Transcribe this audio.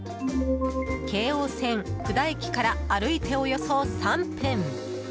京王線布田駅から歩いておよそ３分。